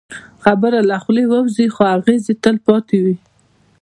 خبره له خولې ووځي، خو اغېز یې تل پاتې وي.